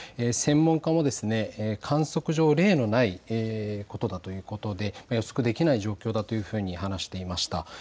専門家も観測上、例のないことだということで予測できない状況だというふうに話していました。